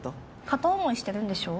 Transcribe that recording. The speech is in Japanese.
片思いしてるんでしょ？